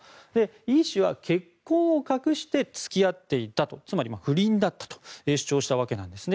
イ氏は結婚を隠して付き合っていたつまり不倫だったと主張したわけですね。